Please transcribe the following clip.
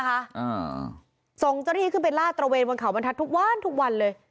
อ่าส่งเจ้าหน้าที่ขึ้นไปลาดตระเวนบนเขาบรรทัศน์ทุกวันทุกวันเลย